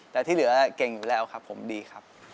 แต่ที่เหลือเก่งอยู่แล้วครับผมดีครับ